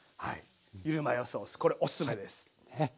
ゆるマヨソースこれおすすめです。